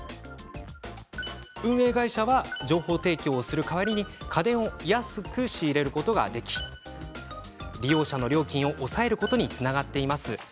運営会社は情報提供をする代わりに家電を安く仕入れることができ利用者の料金を抑えることにつながっています。